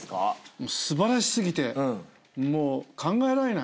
素晴らしすぎてもう考えられない。